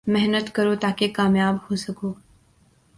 محنت کرو تا کہ کامیاب ہو سکو